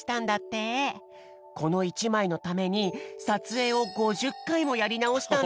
この１まいのためにさつえいを５０かいもやりなおしたんだ。